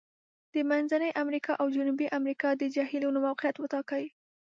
د منځني امریکا او جنوبي امریکا د جهیلونو موقعیت وټاکئ.